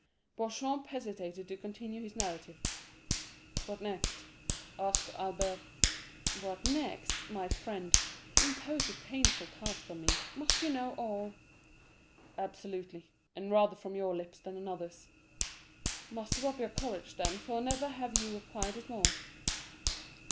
Beauchamp hesitated to continue his narrative. "What next?" asked Albert. "What next? My friend, you impose a painful task on me. Must you know all?" "Absolutely; and rather from your lips than another's." "Muster up all your courage, then, for never have you required it more."